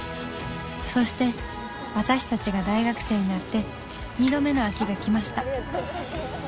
そして私たちが大学生になって二度目の秋が来ました。